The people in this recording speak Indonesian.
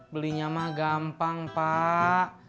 belinya mah gampang pak